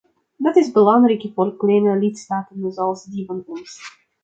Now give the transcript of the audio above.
Dat is belangrijk voor kleine lidstaten zoals die van ons.